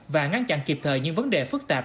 và ngăn chặn kịp thời những vấn đề phức tạp